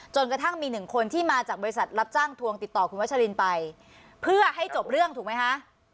กระทั่งมีหนึ่งคนที่มาจากบริษัทรับจ้างทวงติดต่อคุณวัชลินไปเพื่อให้จบเรื่องถูกไหมคะ